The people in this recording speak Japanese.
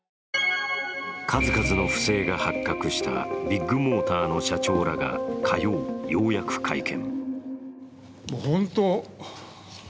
数々の不正が発覚したビッグモーターの社長らが火曜、ようやく会見。